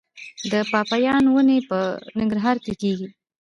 د پاپایا ونې په ننګرهار کې کیږي؟